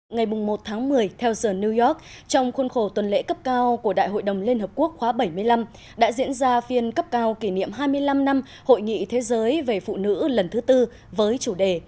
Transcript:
ngày một tháng một mươi theo giờ new york trong khuôn khổ tuần lễ cấp cao của đại hội đồng liên hợp quốc khóa bảy mươi năm đã diễn ra phiên cấp cao kỷ niệm hai mươi năm năm hội nghị thế giới về phụ nữ lần thứ tư với chủ đề